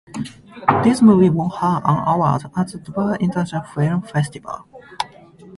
This movie won her an award at the Dubai International Film Festival.